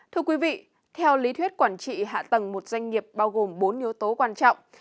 thưa quý vị theo lý thuyết quản trị hạ tầng một doanh nghiệp bao gồm bốn yếu tố quan trọng